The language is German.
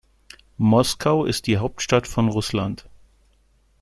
Moskau ist die Hauptstadt von Russland.